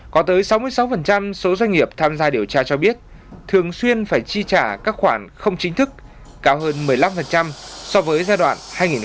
có tới sáu mươi sáu số doanh nghiệp tham gia điều tra cho biết thường xuyên phải chi trả các khoản không chính thức cao hơn một mươi năm so với giai đoạn hai nghìn một mươi sáu hai nghìn một mươi tám